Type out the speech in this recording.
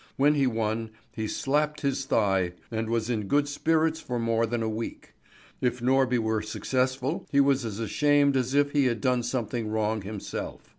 When he won he slapped his thigh and was in good spirits for more than a week. If Norby were successful he was as ashamed as if he had done something wrong himself.